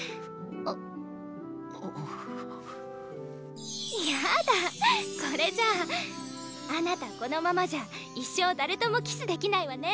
あっ⁉やだこれじゃああなたこのままじゃ一生誰ともキスできないわね。